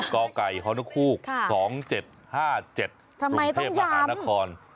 กไก่ฮนคูก๒๗๕๗กรุงเทพมหานคร